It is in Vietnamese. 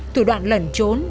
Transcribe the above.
thủ đoạn lẩn trốn